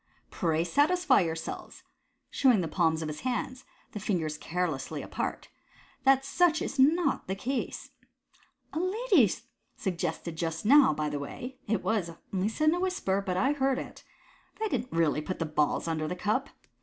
Pray satisfy yourselves " (showing the palms of his hands, the fingers carelessly apart) "that such is not the case. A lady suggested just now, by the way — it was only said in a whisper, but I heard it — that I didn't really put the balls under the cup.